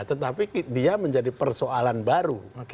tetapi dia menjadi persoalan baru